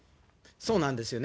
そうなんですよね。